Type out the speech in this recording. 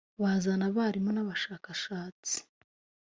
bazana abarimu n abashakashatsi